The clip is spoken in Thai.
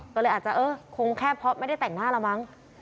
ก็เลยอาจจะเออคงแค่เพราะไม่ได้แต่งหน้าแล้วมั้ง